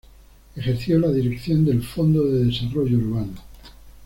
Ejerció la dirección del Fondo de Desarrollo Urbano.